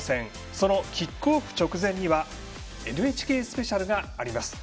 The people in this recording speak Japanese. そのキックオフ直前には「ＮＨＫスペシャル」があります。